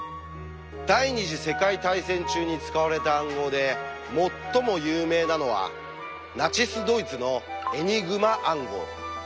第２次世界大戦中に使われた暗号で最も有名なのはナチス・ドイツのエニグマ暗号。